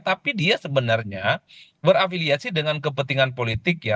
tapi dia sebenarnya berafiliasi dengan kepentingan politik ya